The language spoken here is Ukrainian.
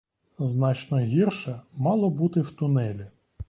Значно гірше мало бути в тунелі.